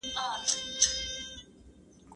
زه به سبا موبایل کار کړم